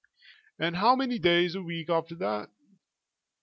"And how many days a week after that?"